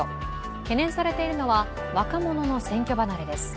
懸念されているのは、若者の選挙離れです。